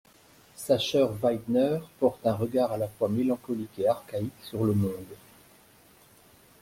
Sascher Weidner porte un regard à la fois mélancolique et archaïque sur le monde.